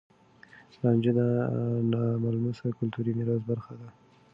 رانجه د ناملموس کلتوري ميراث برخه ده.